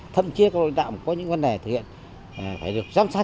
thậm chí các đối tạo có những vấn đề thực hiện phải được giám sát